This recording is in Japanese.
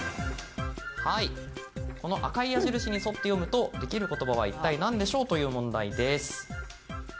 この赤い矢印に沿って読むと、出来ることばは一体なんでしょうという問題です。